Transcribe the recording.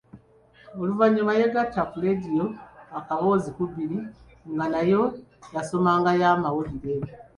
Oluvannyuma yeegatta ku leediyo Akaboozi ku bbiri nga nayo yasomangayo mawulire.